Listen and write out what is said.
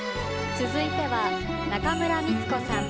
続いては中村美律子さん